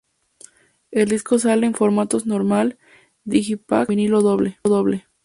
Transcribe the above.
El disco sale en formatos normal, Digipack y en vinilo doble.